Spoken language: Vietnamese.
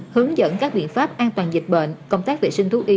hướng dẫn các biện pháp an toàn dịch bệnh công tác vệ sinh thú y